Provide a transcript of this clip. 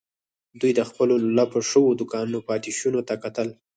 دوی د خپلو لولپه شويو دوکانونو پاتې شونو ته کتل.